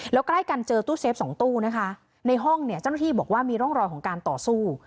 แล้วใกล้กันเจอตู้เซฟสองตู้นะคะในห้องเนี่ยเจ้าหน้าที่บอกว่ามีร่องรอยของการต่อสู้